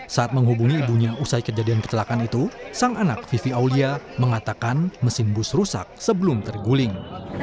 saat menghubungi ibunya usai kejadian kecelakaan itu sang anak vivi aulia mengatakan mesin bus rusak sebelum terguling